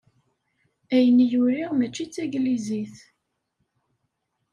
Ayen i yuriɣ mačči d taglizit.